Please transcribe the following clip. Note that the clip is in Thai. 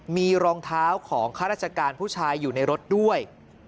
มีรองเท้าของข้าราชการผู้ชายอยู่ในรถด้วย